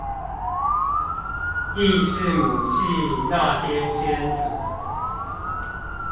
亦是母系那邊先祖